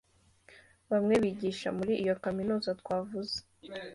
Bamwe bigisha muri iyo kaminuza twavuze